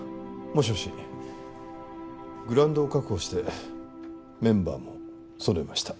もしもしグラウンドを確保してメンバーも揃えました